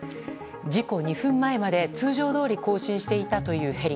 事故２分前まで、通常どおり交信していたというヘリ。